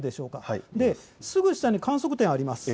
すぐ下に観測点があります。